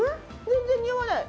全然におわない。